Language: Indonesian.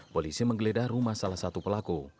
polisi menggeledah rumah salah satu pelaku